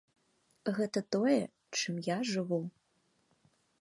Гэта тое, чым я жыву.